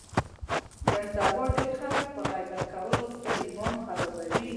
نن سبا ډېری خلک په غیبت کولو خپل ایمان خرابوي.